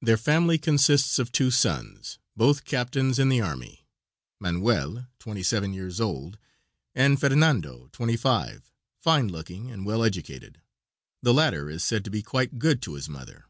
Their family consists of two sons, both captains in the army Manuel, twenty seven years old, and Fernando, twenty five fine looking and well educated. The latter is said to be quite good to his mother.